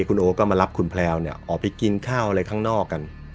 คุณโอก็มารับคุณแพลวเนี่ยออกไปกินข้าวอะไรข้างนอกกัน